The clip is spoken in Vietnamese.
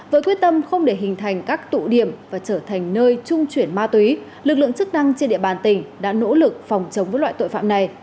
với quyết tâm không để hình thành các tụ điểm và trở thành nơi trung chuyển ma túy lực lượng chức năng trên địa bàn tỉnh đã nỗ lực phòng chống với loại tội phạm này